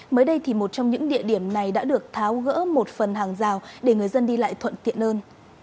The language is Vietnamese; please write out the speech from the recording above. mới đây thì một trong những địa điểm này đã được tháo gỡ một phần hàng rào để người dân đi lại thuận tiện hơn